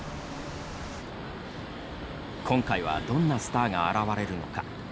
今回はどんなスターが現れるのか。